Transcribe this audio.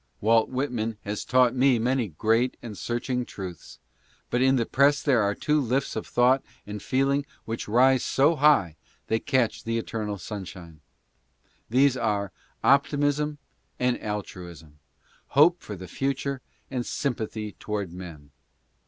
Walt Whitman has taught me many great and searching truths, but in the press there are two lifts of thought and feeling which rise so high they catch the eternal sunshine. These are, Optimism and Altruism — Hope for the future and Sympathy toward men.